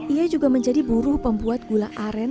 ia juga menjadi buruh pembuat gula aren